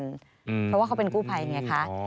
เพราะว่าเขาเป็นกู้ภัยไงคะ